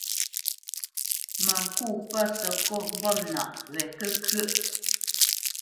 Mə ŋkô pə̂ səkôt ŋgɔ̂mnaʼ wɛ kə́kʉə́ʼ.